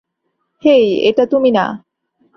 হেই, এটা তুমি না?